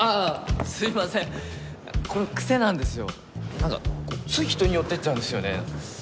なんかつい人に寄っていっちゃうんですよね。